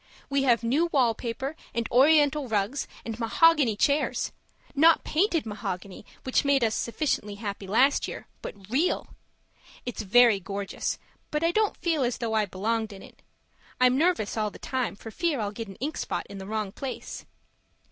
We have new wall paper and oriental rugs and mahogany chairs not painted mahogany which made us sufficiently happy last year, but real. It's very gorgeous, but I don't feel as though I belonged in it; I'm nervous all the time for fear I'll get an ink spot in the wrong place.